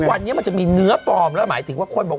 วันนี้มันจะมีเนื้อปลอมแล้วหมายถึงว่าคนบอก